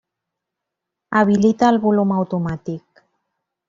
Habilita el volum automàtic.